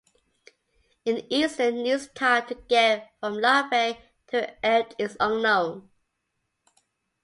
An Eastern Newt's time to get from larvae to eft is unknown.